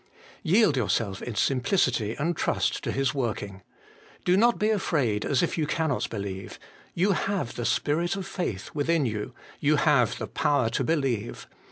Yield yourself in simplicity and trust to His working. Do not be afraid, as if you cannot believe: you have 'the Spirit of faith ' within you : you have the power to believe.